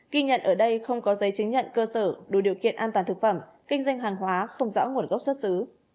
ghi nhận ở đây không có giấy chứng nhận cơ sở đủ điều kiện an toàn thực phẩm kinh doanh hàng hóa không rõ nguồn gốc xuất xứ